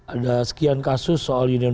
ada sekian kasus soal union